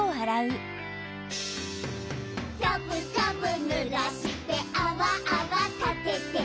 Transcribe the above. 「ざぶざぶぬらしてあわあわたてて」